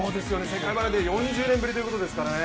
世界バレーで４０年ぶりということですからね。